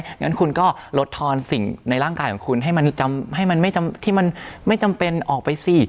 งั้นคุณก็ลดทอนสิ่งในร่างกายของคุณให้มันที่มันไม่จำเป็นออกไปสิ